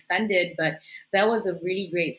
tapi itu adalah mulut yang bagus